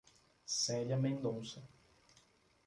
Celia Mendonca